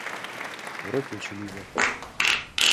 Поро кече лийже!